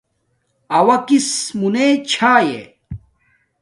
اوݳ کِس مُنݺ چݳئݺ؟